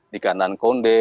di kanan koundé